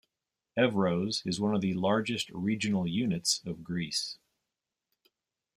Evros is one of the largest regional units of Greece.